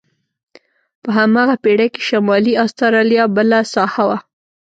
په هماغه پېړۍ کې شمالي استرالیا بله ساحه وه.